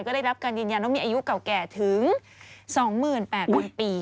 ก็ได้รับการยืนยันว่ามีอายุเก่าแก่ถึง๒๘๐๐๐ปี